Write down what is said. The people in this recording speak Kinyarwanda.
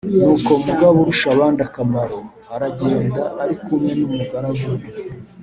nuko mugaburushabandakamaro aragenda ari kumwe n’umugaragu we